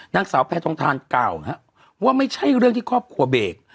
นั่งสาวแพร่ทองทานเก่านะฮะว่าไม่ใช่เรื่องที่ครอบครัวเบก